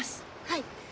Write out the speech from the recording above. はい。